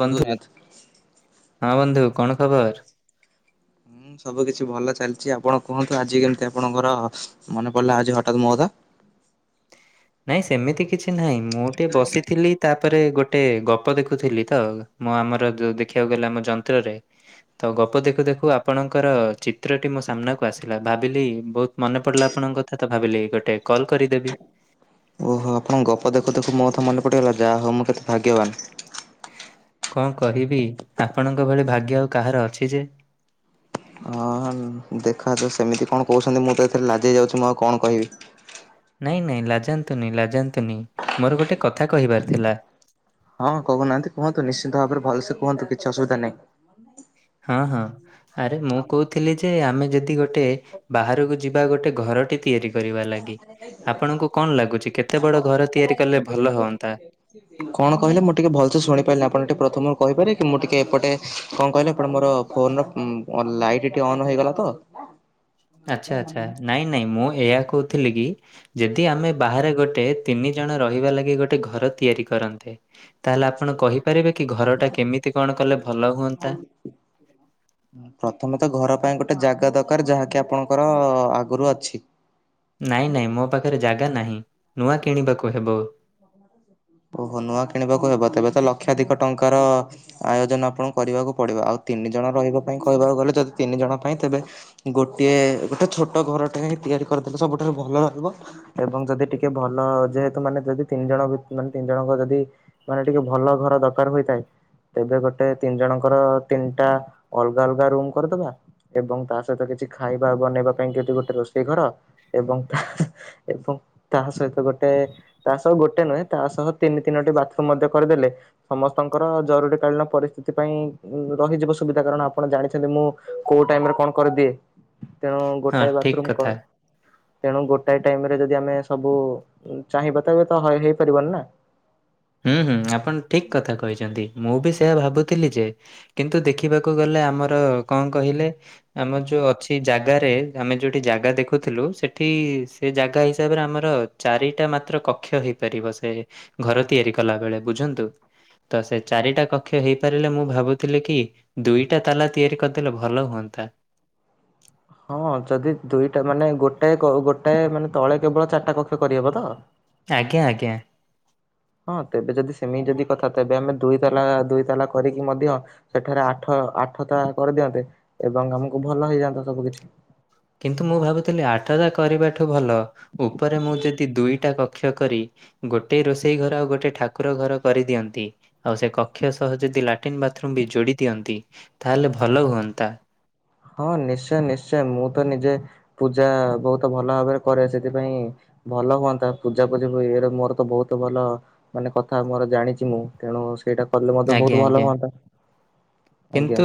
ବନ୍ଧୁ ହଁ ବନ୍ଧୁ କଣ ଖବର? ସବୁ କିିଛି ଭଲ ଚାଲିଛି ଆପଣ କୁହନ୍ତୁ ଆଜି କେମିତି ଆପଣଙ୍କର ମନେ ପଡିଲା ଆଜି ହଠାତ ମୋ କଥା? ନାଇଁ ସେମିତି କିଛି ନାହିଁ ମୁଁ ଟିକେ ବସିଥିଲି। ତାପରେ ଗୋଟେ ଗପ ଦେଖୁଥିଲି ତ ମୁଁ ଆମର ଯୋଉ ଦେଖିବାକୁ ଗଲେ ଆମ ଯନ୍ତ୍ରରେ। ତ ଗପ ଦେଖୁ ଦେଖୁ ଆପଣଙ୍କର ଚିତ୍ରଟି ମୋ ସାମ୍ନାକୁ ଆସିଲା ଭାବିଲି ବହୁତ ମନେ ପଡ଼ିଲା ଆପଣଙ୍କ କଥା ତ ଭାବିଲି ଗୋଟେ କଲ୍ କରିଦେବି। ଆଉ ଆପଣଙ୍କ ଗପ ଦେଖୁ ଦେଖୁ ମୋ କଥା ମନେ ପଡିଗଲା ଯାହା ହଉ ମୁଁ କେତେ ଭାଗ୍ୟବାନ୍। କଣ କହିବି ଆପଣଙ୍କ ଭଳି ଭାଗ୍ୟ ଆଉ କାହାର ଅଛି ଯେ। ଅଁ ଦେଖ ତୁ ସେମିତି କଣ କହୁଛନ୍ତି ମୁଁ ତ ଏଥିରେ ଲାଜେଇ ଯାଉଛି ମୁଁ ଆଉ କଣ କହିବି। ନାଇଁ ନାଇଁ ଲାଜାନ୍ତୁନି ଲାଜାନ୍ତୁନି ମୋର ଗୋଟେ କଥା କହିବାର ଥିଲା। ହଁ କହୁନାହାନ୍ତି କୁହନ୍ତୁ ନିଶ୍ଚିତ ଭାବରେ ଭଲ ସେ କୁହନ୍ତୁ କିଛି ଅସୁବିଧା ନାହିଁ। ହଁ ହଁ ଆରେ ମୁଁ କହୁଥିଲି ଯେ ଆମେ ଯଦି ଗୋଟେ ବାହାରକୁ ଯିବା ଗୋଟେ ଘର ଟିିଏ ତିଆରି କରିବା ଲାଗି ଆପଣଙ୍କୁ କଣ ଲାଗୁଛି କେତେ ବଡ ଘର ତିଆରି କଲେ ଭଲ ହୁଅନ୍ତା। କଣ କହିଲେ ମୁଁ ଟିକେ ଭଲସେ ଶୁଣିପାରିଲିନି ଆପଣ ଟିକେ ପ୍ରଥମରୁ କହିପାରିବେ କି ମୁଁ ଟିକେ ଏପଟେ କଣ କହିଲେ ଆପଣ ମୋର ଫୋନର ଉମ ଲାଇଟ୍ ଟି ଅନ୍ ହେଇଗଲା ତ। ଆଚ୍ଛା ଆଚ୍ଛା ନାଇଁ ନାଇଁ ମୁଁ ଏହିୟା କହୁଥିଲି କି? ଯଦି ଆମେ ବାହାରେ ଗୋଟେ ତିନି ଜଣ ରହିବା ଲାଗି ଗୋଟେ ଘର ତିଆରି କରନ୍ତେ। ତାହେଲେ ଆପଣ କହିପାରିବେ କି ଘରଟା କେମିତି କଣ କଲେ ଭଲ ହୁଅନ୍ତା। ପ୍ରଥମେ ତ ଘର ପାଇଁ ଗୋଟେ ଜାଗା ଦରକାର ଯାହାକି ଆପଣଙ୍କର ଆଗରୁ ଅଛି। ନାଇଁ ନାଇଁ ମୋ ପାଖରେ ଜାଗା ନାହିଁ ନୂଆ କିଣିବାକୁ ହେବ। କଣ ନା କହୁଚ। ଓହୋ ନୂଆ କିଣିବାକୁ ହେବ ତେବେ ତ ଲକ୍ଷାଧିକ ଟଙ୍କାର ଆୟୋଜନ ଆପଣଙ୍କୁ କରିବାକୁ ପଡିବ ଆଉ ତିନି ଜଣ ରହିବା ପାଇଁ କହିବାକୁ ଗଲେ ଯଦି ତିନି ଜଣ ପାଇଁ ତେବେ ଗୋଟିଏ ଗୋଟେ ଛୋଟ ଘରଟା ହିଁ ତିଆରି କରିଦେଲେ ସବୁଠାରୁ ଭଲ ରହିବ। ଏବଂ ଯଦି ଟିକେ ଭଲ ଯେହେତୁ ମାନେ ଯଦି ତିନି ଜଣ ଭି ମାନେ ତିନି ଜଣଙ୍କ ଯଦି ମାନେ ଟିକେ ଭଲ ଘର ଦରକାର ହୋଇଥାଏ। ତେବେ ଗୋଟେ ତିନି ଜଣଙ୍କର ତିନିଟା ଅଲଗା ଅଲଗା ରୁମ୍ କରିଦବା। ଏବଂ ତା ସହିତ କିଛି ଖାଇବା ବନେଇବା ପାଇଁ ସେଠି ଗୋଟେ ରୋଷେଇ ଘର ଏବଂ ତା ଏବଂ ତା ସହିତ ଗୋଟେ ତା ସହ ଗୋଟେ ନୁହେଁ। ତା ସହ ତିନି ତିନୋଟି ବାଥରୁମ୍ ମଧ୍ୟ କରିଦେଲେ। ସମସ୍ତଙ୍କର ଜରୁରୀ କାଳୀନ ପରିସ୍ଥିତି ପାଇଁ ରହିଯିବ ସୁବିଧା କାରଣ ଆପଣ ଜାଣିଛନ୍ତି ମୁଁ କୋଉ ଟାଇମରେ କଣ କରିଦିଏ ତେଣୁ ହଁ ଗୋଟାଏ ଠିକ୍ ବାଥରୁମ୍ କଥା। କର ତେଣୁ ଗୋଟାଏ ଟାଇମ ରେ ଯଦି ଆମେ ସବୁ ଚାହିଁବାତ ତ ହଏ ହେଇପାରିବନି ନା। ହୁଁ ହୁଁ ଆପଣ ଠିକ୍ କଥା କହିଛନ୍ତି ମୁଁ ବି ସେଆ ଭାବୁଥିଲି ଯେ? କିନ୍ତୁ ଦେଖିବାକୁ ଗଲେ ଆମର କଣ କହିଲେ? ଆମର ଯୋଉ ଅଛି ଜାଗାରେ ଆମେ ଯୋଉଠି ଜାଗା ଦେଖୁଥିଲୁ ସେଠି ସେ ଜାଗା ହିସାବରେ ଆମର ଚାରିଟା ମାତ୍ର କକ୍ଷ ହେଇପାରିବ ସେ ଘର ତିଆରି କଲା ବେଳେ ବୁଝନ୍ତୁ? ତ ସେ ଚାରିଟା କକ୍ଷ ହେଇପାରିଲେ ମୁଁ ଭାବୁଥିଲି କି ଦୁଇଟା ତାଲା ତିଆରି କରିଦେଲେ ଭଲ ହୁଅନ୍ତା। ହଁ ଯଦି ଦୁଇଟା ମାନେ ଗୋଟଏ ଗୋଟାଏ ମାନେ ତଳେ କେବଳ ଚାରିଟା କକ୍ଷ କରିହେବ ତ? ଆଜ୍ଞା ଆଜ୍ଞା। ହଁ ତେବେ ଯଦି ସେମିତି ଯଦି କଥା ତେବେ ଆମେ ଦୁଇ ତାଲା ଦୁଇ ତାଲା କରିକି ମଧ୍ୟ ସେଠାରେ ଆଠ ଆଠତାଲା କରିଦିଅନ୍ତେ ଏବଂ ଆମକୁ ଭଲ ହେଇଯାଆନ୍ତା ତ ସବୁ କିଛି। କିନ୍ତୁ ମୁଁ ଭାବୁଥିଲି ଆଠଟା କରିବାଠୁ ଭଲ ଉପରେ ମୁଁ ଯଦି ଦୁଇଟା କକ୍ଷ କରି ଗୋଟିଏ ରୋଷେଇ ଘର ଆଉ ଗୋଟେ ଠାକୁର ଘର କରିଦିଅନ୍ତି ଆଉ ସେ କକ୍ଷ ସହ ଯଦି ଲାଟିନ୍ ବାଥରୁମ ବି ଯୋଡି ଦିଅନ୍ତି ତାହେଲେ ଭଲ ହୁଅନ୍ତା। ହଁ ନିଶ୍ଚୟ ନିଶ୍ଚୟ ମୁଁ ତ ନିଜେ ପୂଜା ବହୁତ ଭଲ ଭାବରେ କରେ ସେଥିପାଇଁ ଭଲ ହୁଅନ୍ତା ପୂଜା ପୂଜି ହୁଏ ଏଇରେ ମୋର ତ ବହୁତ ଭଲ ମାନେ କଥା ମୋର ଜାଣିଛି ମୁଁ ତେଣୁ ସେଇଟା କଲେ ମଧ୍ୟ ଆଜ୍ଞା ବହୁତ ଭଲ ଆଜ୍ଞା ହୁଅନ୍ତା। ଆଜ୍ଞା। କିନ୍ତୁ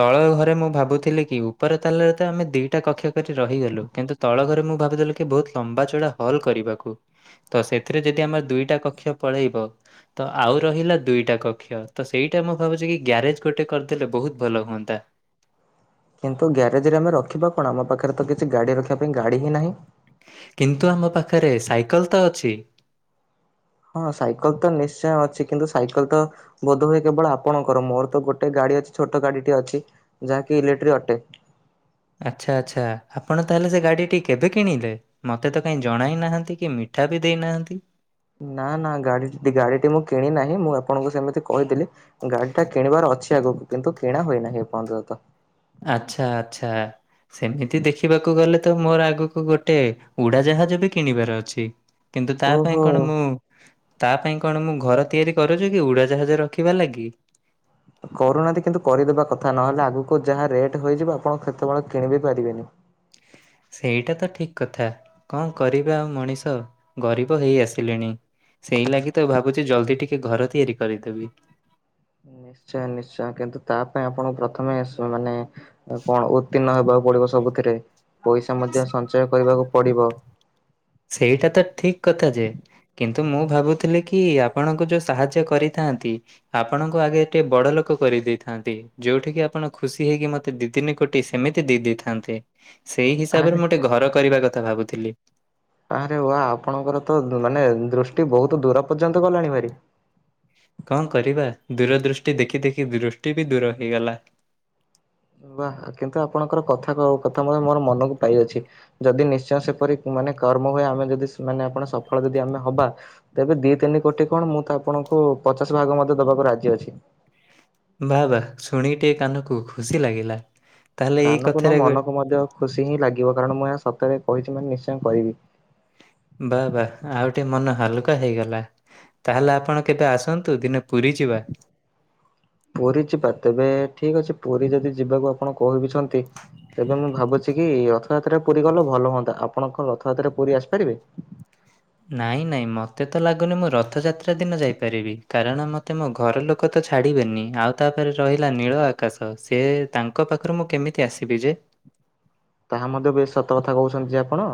ତଳ ଘରେ ମୁଁ ଭାବୁଥିଲି କି ଉପର ତାଲରେ ତ ଆମେ ଦିଇଟା କକ୍ଷ କରି ରହିଗଲୁ କିନ୍ତୁ ତଳ ଘରେ ମୁଁ ଭାବିଥିଲି କି ବହୁତ ଲମ୍ବା ଚଢଡା ହଲ୍ କରିବାକୁ। ତ ସେଥିରେ ଯଦି ଆମର ଦୁଇଟା କକ୍ଷ ପଳେଇବ। ତ ଆଉ ରହିଲା ଦୁଇଟା କକ୍ଷ ତ ସେଇଟା ମୁଁ ଭାବୁଛି କି ଗ୍ୟାରେଜ ଗୋଟେ କରିଦେଲେ ବହୁତ ଭଲ ହୁଅନ୍ତା। ଆପଣ ତ ଗ୍ୟାରେଜରେ ଆମେ ରଖିବା କଣ ଆମ ପାଖରେ ତ କିଛି ଗାଡ଼ି ରଖିବା ପାଇଁ ଗାଡ଼ି ହିଁ ନାହିଁ। କିନ୍ତୁ ଆମ ପାଖରେ ସାଇକେଲ ତ ଅଛି। ହଁ ସାଇକେଲ ତ ନିଶ୍ଚୟ ଅଛି କିନ୍ତୁ ସାଇକେଲ ତ ବୋଧହୁଏ କେବଳ ଆପଣଙ୍କର ମୋର ତ ଗୋଟେ ଗାଡି ଅଛି ଛୋଟ ଗାଡିଟି ଅଛି ଯାହାକି ଇଲେକ୍ଟ୍ରି ଅଟେ। ଆଚ୍ଛା ଆଚ୍ଛା ଆପଣ ତାହେଲେ ସେ ଗାଡ଼ିଟି କେବେ କିଣିଲେ? ମତେ ତ କାହିଁ ଜଣାଇ ନାହାନ୍ତି କି ମିଠା ବି ଦେଇନାହାନ୍ତି। ନା ନା ଗାଡିଟି ଗାଡିଟି ମୁଁ କିଣି ନାହିଁ ମୁଁ ଆପଣଙ୍କୁ ସେମିତି କହିଥିଲି। ଗାଡି ଟା କିଣିବାର ଅଛି ଆଗକୁ କିନ୍ତୁ କିଣା ହୋଇନାହିଁ ଏ ପର୍ଯ୍ୟନ୍ତ। ଆଚ୍ଛା ଆଚ୍ଛା। ସେମିତି ଦେଖିବାକୁ ଗଲେ ତ ମୋର ଆଗକୁ ଗୋଟେ ଉଡାଜାହାଜ ବି କିଣିବାର ଅଛି। କିନ୍ତୁ ତା ପାଇଁ ଓହୋ କଣ ମୁଁ ତା ପାଇଁ କଣ ମୁଁ ଘର ତିଆରି କରୁଛିୁ କି ଉଡ଼ାଜାହାଜ ରଖିବା ଲାଗି? କରୁନାହାନ୍ତି କିନ୍ତୁ କରିଦେବା କଥା ନହେଲେ ଆଗକୁ ଯାହା ରେଟ୍ ହେଇଯିବ ଆପଣ କେତେବେଳେ କିଣିବି ପାରିବେନି? ସେଇଟା ତ ଠିକ କଥା। କଣ କରିବା ଆଉ ମଣିଷ ଗରିବ ହେଇ ଆସିଲେଣି। ସେଇ ଲାଗି ତ ଭାବୁଛି ଜଲ୍ଦି ଟିକେ ଘର ତିଆରି କରିଦେବି। ନିଶ୍ଚୟ ନିଶ୍ଚୟ କିନ୍ତୁ ତା ପାଇଁ ଆପଣଙ୍କୁ ପ୍ରଥମେ ସ-ମାନେ କଣ ଉତ୍ତୀର୍ଣ୍ଣ ହେବାକୁ ପଡିବ ସବୁଥିରେ ପଇସା ମଧ୍ୟ ସଞ୍ଚୟ କରିବାକୁ ପଡିବ। ସେଇଟା ତ ଠିକ କଥା ଯେ କିନ୍ତୁ, ମୁଁ ଭାବୁଥିଲି କି ଆପଣଙ୍କୁ ଯେଉଁ ସାହାଯ୍ୟ କରିଥାନ୍ତି? ଆପଣଙ୍କୁ ଆଗେ ଟିକେ ବଡ ଲୋକ କରିଦେଇଥାନ୍ତି। ଯୋଉଠିକି ଆପଣ ଖୁସି ହେଇକି ମତେ ଦି ତିନି କୋଟି ସେମିତି ଦେଇ ଦେଇଥାନ୍ତେ। ସେଇ ଆରେ ହିସାବରେ ମୁଁ ଟେ ଘର କରିବା କଥା ଭାବୁଥିଲି। ଆରେ ୱା ଆପଣଙ୍କର ତ ମାନେ ଦୃଷ୍ଟି ବହୁତ ଦୂର ପର୍ଯ୍ୟନ୍ତ ଗଲାଣି ଭାରି। କଣ କରିବା ଦୂର ଦୁଷ୍ଟି ଦେଖି ଦେଖି ଦୁଷ୍ଟି ବି ଦୂର ହେଇଗଲା। ବା କିନ୍ତୁ ଆପଣଙ୍କର କଥା କଥା ମଧ୍ୟ ମୋର ମନକୁ ପାଇଅଛି। ଯଦି ନିଶ୍ଚୟ ସେପରି ମାନେ କର୍ମ ହୁଏ ଆମେ ଯଦି ମାନେ ଆପଣ ସଫଳ ଯଦି ଆମେ ହବା ତେବେ ଦି ତିନି କୋଟି କଣ ମୁଁ ତ ଆପଣଙ୍କୁ ପଚାଶ ଭାଗ ମଧ୍ୟ ଦବାକୁ ରାଜି ଅଛି। ବା ବା ଶୁଣି ଟିକେ କାନକୁ ଖୁସି ଲାଗିଲା ତାହେଲେ ଏଇ କାନକୁ ନୁହଁ କଥାରେ ମନକୁ ମଧ୍ୟ ଖୁସି ହିଁ ଲାଗିବ କାରଣ ମୁଁ ଏହା ସତରେ କହିଛି ମାନେ ନିଶ୍ଚୟ କରିବି। ବା ବା ଆଉ ଟେ ମନ ହାଲୁକା ହେଇଗଲା। ତାହେଲେ ଆପଣ କେବେ ଆସନ୍ତୁ ଦିନେ ପୁରୀ ଯିବା। ପୁରୀ ଯିବା ତେବେ ଠିକ ଅଛି ପୁରୀ ଯଦି ଯିବାକୁ ଆପଣ କହିବିଛନ୍ତି ତେବେ ମୁଁ ଭାବୁଛି କି ରଥଯାତ୍ରାରେ ପୁରୀ ଗଲେ ଭଲ ହୁଅନ୍ତା ଆପଣ କଣ ରଥଯାତ୍ରାରେ ପୁରୀ ଆସିପାରିବେ? ନାଇଁ ନାଇଁ ମୋତେ ତ ଲାଗୁନି ମୁଁ ରଥଯାତ୍ରା ଦିନ ଯାଇପାରିବି କାରଣ ମ ତେ ମୋ ଘର ଲୋକ ତ ଛାଡିବେନି ଆଉ ତାପରେ ରହିଲା ନୀଳ ଆକାଶ ସେ ତାଙ୍କ ପାଖରୁ ମୁଁ କେମିତି ଆସିବି ଯେ? ତାହା ମଧ୍ୟ ବେଶ ସତ କଥା କହୁଛନ୍ତି ଯେ ଆପଣ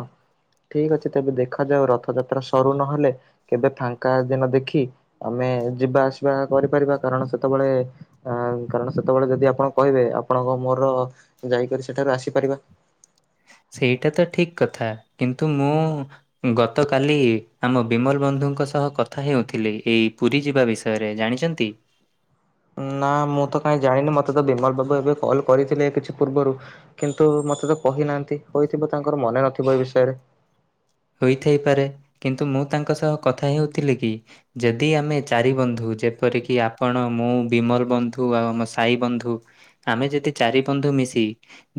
ଠିକ ଅଛି ତେବେ ଦେଖାଯାଉ ରଥଯାତ୍ରା ସରୁ ନହେଲେ। କେବେ ଫାଙ୍କା ଦିନ ଦେଖି ଆମେ ଯିବା ଆସିବା କରିପାରିବା କାରଣ ସେତେବେଳେ ଅ କାରଣ ସେତେବେଳେ ଯଦି ଆପଣ କହିବେ ଆପଣଙ୍କ ମୋର ଯାଇକରି ସେଠାରୁ ଆସିପାରିବା। ସେଇଟା ତ ଠିକ କଥା କିନ୍ତୁ ମୁଁ ଗତକାଲି ଆମ ବିମଲ ବନ୍ଧୁଙ୍କ ସହ କଥା ହେଉଥିଲେ ଏଇ ପୁରୀ ଯିବା ବିଷୟ ରେ ଜାଣିଛନ୍ତି? ନା ମୁଁ ତ କାହିଁ ଜାଣିନି ମତେ ତ ବିମଲ ବାବୁ ଏବେ କଲ୍ କରିଥିଲେ କିଛି ପୂର୍ବରୁ କିନ୍ତୁ ମତେ ତ କହି ନାହାନ୍ତି କହିଥିବ ତାଙ୍କର ମନେ ନଥିବ ଏ ବିଷୟରେ। ହୋଇଥାଇପାରେ କିନ୍ତୁ ମୁଁ ତାଙ୍କ ସହ କଥା ହେଉଥିଲି କି ଯଦି ଆମେ ଚାରି ବନ୍ଧୁ ଯେପରିକି ଆପଣ ମୁଁ ବିମଲ ବନ୍ଧୁ ଆଉ ଆମ ସାଇ ବନ୍ଧୁ। ଆମେ ଯଦି ଚାରି ବନ୍ଧୁ ମିଶି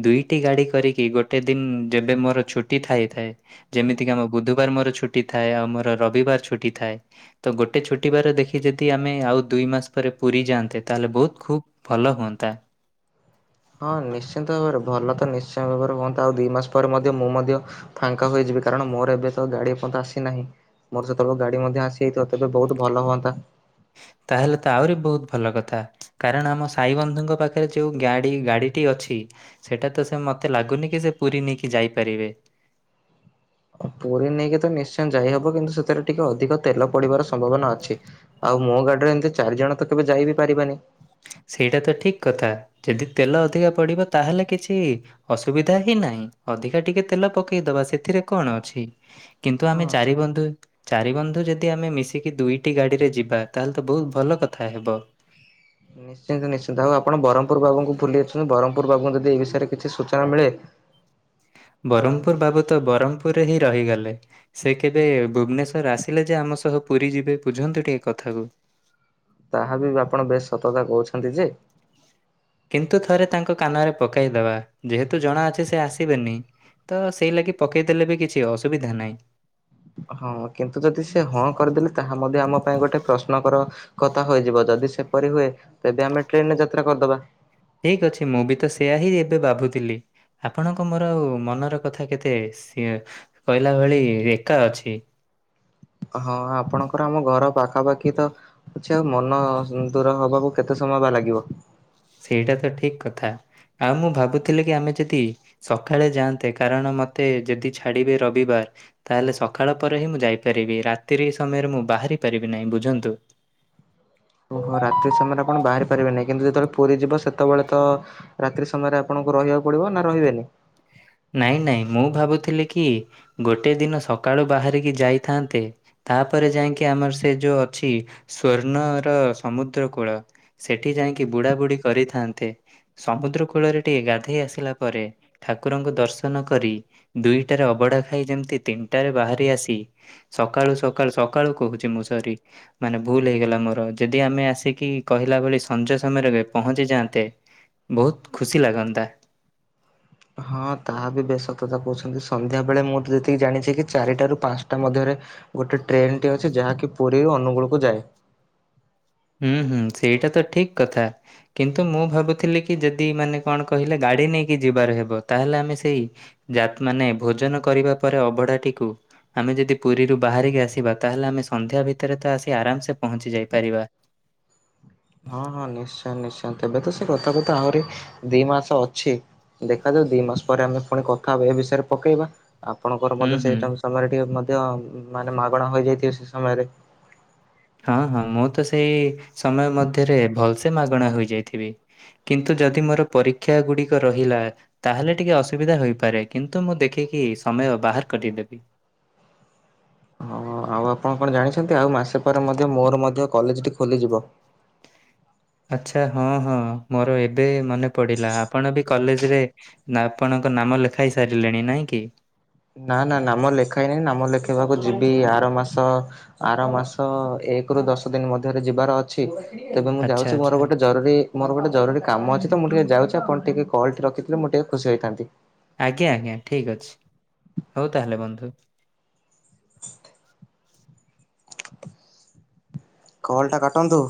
ଦୁଇଟି ଗାଡି କରିକି ଗୋଟେ ଦିନ ଯେବେ ମୋର ଛୁଟି ଥାଇଥାଏ। ଯେମିତିକି ଆମ ବୁଧବାର ମୋର ଛୁଟି ଥାଏ ଆଉ ମୋର ରବିବାର ଛୁଟି ଥାଏ। ତ ଗୋଟେ ଛୁଟିବାର ଦେଖି ଯଦି ଆମେ ଆଉ ଦୁଇ ମାସ ପରେ ପୁରୀ ଯାଆନ୍ତେ ତାହେଲେ ବହୁତ ଖୁବ୍ ଭଲ ହୁଅନ୍ତା। ହଁ ନିଶ୍ଚିନ୍ତ ଭାବରେ ଭଲ ତ ନିଶ୍ଚିୟ ଭାବରେ ହୁଅ ନ୍ତତା ଆଉ ଦୁଇ ମାସ ପରେ ମଧ୍ୟ ମୁଁ ମଧ୍ୟ ଫାଙ୍କା ହୋଇଯିବି କାରଣ ମୋର ଏବେ ତ ଗାଡି ପଦଶୀ ଆସିନାହିଁ। ମୋର ସେତେବେଳେ ଗାଡ଼ି ମଧ୍ୟ ଆସିଯାଇଥିବ ତେବେ ବହୁତ ଭଲ ହୁଅନ୍ତା। ତାହାଲେ ତ ଆହୁରି ଭଲ କଥା। କାରଣ ଆମ ସାଇ ବନ୍ଧୁଙ୍କ ପାଖରେ ଯୋଉ ଗାଡି ଗାଡିଟି ଅଛି ସେଇଟା ତ ସେ ମତେ ଲାଗୁନି କି ସେ ପୁରୀ ନେଇକି ଯାଇପାରିବେ। ପୁରୀ ନେଇକି ତ ନିଶ୍ଚୟ ଯାଇହବ କିନ୍ତୁ ସେଥିରେ ଟିକେ ଅଧିକ ତେଲ ପଡିବାର ସମ୍ଭାବନା ଅଛି। ଆଉ ମୋ ଗାଡିରେ ଏମିତି ଚାରି ଜଣ ତ କେବେ ଯାଇ ବିି ପାରିବାନି। ସେଇଟା ତ ଠିକ କଥା ଯଦି ତେଲ ଅଧିକା ପଡିବ ତାହେଲେ କିଛି ଅସୁବିଧା ହିଁ ନାହିଁ ଅଧିକା ଟିକେ ତେଲ ପକେଇ ଦବା ସେଥିରେ କଣ ଅଛି। କିନ୍ତୁ ଆମେ ହଁ ଚାରି ବନ୍ଧୁ ଚାରି ବନ୍ଧୁ ଯ ଯଦି ଆମେ ମିଶିକି ଦୁଇଟି ଗାଡ଼ିରେ ଯିବା ତାହାଲେ ତ ବହୁତ ଭଲ କଥା ହେବ। ନିଶ୍ଚିନ୍ତ ନିଶ୍ଚିନ୍ତ ଆଉ ଆପଣ ବରମ ପୁରବାବୁଙ୍କୁ ପୁଲିଅଛନ୍ ବ୍ରହ୍ମପୁର ପୂର୍ବଙ୍କୁ ଯଦି ଏ ବିଷୟରେ କିଛି ସୂଚନା ମିଳେ ବ୍ରହ୍ମପୁର ବାବୁ ତ ବ୍ରହ୍ମପୁରରେ ହିଁ ରହିଗଲେ। ସେ କେବେ ଭୁବନେଶ୍ଵ ର ଆସିଲେ ଯେ ଆମ ସହ ପୁରୀ ଯିବେ ବୁଝନ୍ତୁ ଟିକେ କଥାକୁ। ତାହା ବି ଆପଣ ବେଶ ସତ କତା କହୁଛନ୍ତି ଯେ କିନ୍ତୁ ଥରେ ତାଙ୍କ କାନରେ ପକାଇଦବା ଯେହେତୁ ଜଣା ଅଛି ସେ ଆସିବେନି। ତ ସେଇ ଲାଗି ପକେଇଦେଲେ ବି କିଛି ଅସୁବିଧା ନାହିଁ। ହଁ କିନ୍ତୁ ଯଦି ସେ ହଁ କରିଦେଲେ ତାହା ମଧ୍ୟ ଆମ ପାଇଁ ଗୋଟେ ପ୍ରଶ୍ନ କର କଥା ହୋଇଯିବ ଯଦି ସେପରି ହୁଏ ତେବେ ଆମେ ଟ୍ରେନରେ ଯାତ୍ରା କରିଦବା। ଠିକ ଅଛି ମୁଁ ବି ତ ସେୟା ହିଁ ଏବେ ଭାବୁଥିଲି! ଆପଣଙ୍କ ମୋର ଆଉ ମନର କଥା କେତେ ସେଇଆ କହିଲା ଭଳି ଏକା ଅଛି। ହଁ ଆପଣଙ୍କର ଆମ ଘର ପାଖାପାଖି ତ କିଛି ଆଉ ମନ ଦୂର ହବାକୁ କେତେ ସମୟ ବା ଲାଗିବ। ସେଇଟା ତ ଠିକ କଥା ଆଉ ମୁଁ ଭାବୁଥିଲି କି ଆମେ ଯଦି ସକାଳେ ଯାଆନ୍ତେ କାରଣ ମତେ ଯଦି ଛାଡିବେ ରବିବାର ତାହେଲେ ସକାଳ ପରେ ହିଁ ମୁଁ ଯାଇପାରିବି, ରାତ୍ରି ସମୟରେ ମୁଁ ବାହାରି ପାରିବି ନାହିଁ ବୁଝନ୍ତୁ। ଓହୋ ରାତ୍ରୀ ସମୟରେ ଆପଣ ବାହାରି ପାରିବେନାହିଁ କିନ୍ତୁ ଯେତେବେଳେ ପୁରୀ ଯିବ ସେତେବେଳେ ତ ରାତ୍ରି ସମୟରେ ଆପଣଙ୍କୁ ରହିବାକୁ ପଡିବ, ନା ରହିବେନି? ନାଇଁ ନାଇଁ ମୁଁ ଭାବୁଥିଲି କି ଗୋଟେ ଦିନ ସକାଳୁ ବାହାରିକି ଯାଇଥାନ୍ତେ। ତାପରେ ଯାଇକି ଆମର ସେ ଯୋଉ ଅଛି ସ୍ଵର୍ଣ୍ଣର ସମୁଦ୍ର କୂଳ। ସେଠି ଯାଇକି ବୁଡ଼ା ବୁଡୀ କରିଥାନ୍ତେ ସମୁଦ୍ର କୂଳରେ ଟିକେ ଗାଧେଇ ଆସିଲା ପରେ ଠାକୁରଙ୍କୁ ଦର୍ଶନ କରି ଦୁଇଟାରେ ଅବଢା ଖାଇ ଯେମିତି ତିନିଟାରେ ବାହାରି ଆସି ସକାଳୁ ସକାଳୁ ସକାଳୁ କହୁଛି ମୁଁ ସରି ମାନେ ଭୁଲ ହେଇଗଲା ମୋର ଯଦି ଆମେ ଆସିକି କହିଲା ଭଳି ସଞ୍ଜ ସମୟରେ ପହଞ୍ଚି ଯାଆନ୍ତେ? ବହୁତ୍ ଖୁସି ଲାଗନ୍ତା। ହଁ ତାହା ବି ବେଶ ସତ କଥା କହୁଛନ୍ତି ସନ୍ଧ୍ୟା ବେଳେ ମୁଁ ଯେତିକି ଜାଣିଛି କି ଚାରିଟ ରାରୁ ପାଞ୍ଚଟା ମଧ୍ୟରେ ଗୋଟେ ଟ୍ରେନଟିଏ ଅଛି ଯାହାକି ପୁରୀରୁ ଅନୁଗୁଳକୁ ଯାଏ। ହୁଁ ହୁଁ ସେଇଟା ତ ଠିକ୍ କଥା। କିନ୍ତୁ ମୁଁ ଭାବୁଥିଲି କି ଯଦି ମାନେ କଣ କହିଲେ ଗାଡ଼ି ନେଇକି ଯିବାର ହେବ ତାହେଲେ ଆମେ ସେଇ ଯାତ ମାନେ ଭୋଜନ କରିବା ପରେ ଅବଢାଟିକୁ ଆମେ ଯଦି ପୁରୀରୁ ବାହାରିକି ଆସିବା ତାହେଲେ ଆମେ ସନ୍ଧ୍ୟା ଭିତରେ ତ ଆସି ଆରାମସେ ପହଞ୍ଚି ଯାଇପାରିବା। ହଁ ହଁ, ନିଶ୍ଚୟ ନିଶ୍ଚୟ, ତେବେ ତ ସେ ରଥ କଥା ଆହୁରି ଦି ମାସ ଅଛି। ଦେଖାଜାଉ ଦି ମାସ ପରେ ଆମେ ପୁଣି କଥା ହବା ଏ ବିଷୟରେ ପକେଇବା। ଆପଣଙ୍କର ହୁଁ ମଧ୍ୟ ହୁଁ ସେଇ ସମୟରେ ଟିକେ ମଧ୍ୟ ମାନେ ମାଗଣା ହେଯାଇଥିବ ସେ ସମୟରେ। ହଁ, ହଁ, ମୁଁ ତ ସେଇ ସମୟ ମଧ୍ୟରେ ଭଲ ସେେ ମାଗଣା ରେ ରହିଯାଇଥିବି। କିନ୍ତୁ, ଯଦି ମୋର ପରୀକ୍ଷା ଗୁଡ଼ିକ ରହିଲା? ତାହେଲେ ଟିକେ ଅସୁବିଧା ହେପାରେ କିନ୍ତୁ ମୁଁ ଦେଖିକି ସମୟ ବାହାର କରିଦେବି। ହଁ ଆଉ ଆପଣ କଣ ଜାଣିଛନ୍ତି ଆଉ ମାସେ ପରେ ମଧ୍ୟ ମୋର ମଧ୍ୟ କଲେଜଟି ଖୋଲିଯିବ। ଆଚ୍ଛା, ହଁ ହଁ ମୋର ଏବେ ମନେ ପଡ଼ିଲା ଆପଣ ବି କଲେଜ ରେ ନା ଆପଣଙ୍କ ନାମ ଲେଖାଇ ସାରିଲେଣି ନାଇଁ କି? ନା, ନା, ନାମ ଲେଖା ହେଇନାହିଁ ନାମ ଲେଖିବାକୁ ଯିବି ଆର ମାସ ଆର ମାସ ଏକ ରୁ ଦଶ ଦିନ ମଧ୍ୟରେ ଯିବାର ଅ ତେବେ ମୁଁ ଆଚ୍ଛା ଯାଉଛି ମୋର ଆଚ୍ଛା ଗୋଟେ ଜରୁରୀ ମୋର ଗୋଟେ ଜରୁରୀ କାମ ଅଛି ତ ମୁଁ ଟିକିଏ ଯାଉଛି ଆପଣ ଟିକେ କଲଟି ରିଥିଲେ ମୁ ଟିକିେ ଖୁସି ହୋଇଥାନ୍ତି। ଆଜ୍ଞା ଆଜ୍ଞା ଠିକ ଅଛି ହଉ ତାହେଲେ ବନ୍ଧୁ! କଲ ଟା କାଟନ୍ତୁ।